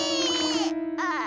ああ。